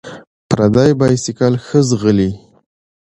ـ پردى بايسکل ښه ځغلي.